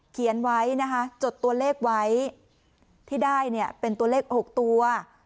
เขียนไว้นะคะจดตัวเลขไว้ที่ได้เนี่ยเป็นตัวเลข๖ตัว